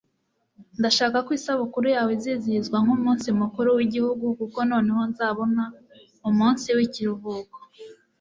ndashaka ko isabukuru yawe yizihizwa nkumunsi mukuru wigihugu kuko noneho nzabona umunsi wikiruhuko